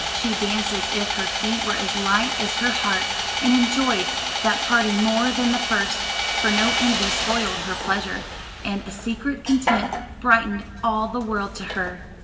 She danced as if her feet were as light as her heart, and enjoyed that party more than the first; for no envy spoiled her pleasure, and a secret content brightened all the world to her.